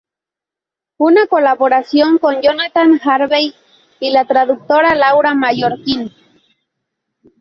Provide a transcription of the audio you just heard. Una colaboración con Jonathan Harvey y la traductora Laura Mallorquín.